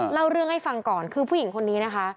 เล่าเรื่องให้ฟังก่อนคือผู้หญิงคนนี้นะคะ